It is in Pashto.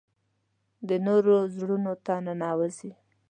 د نورو زړونو ته ننوځي .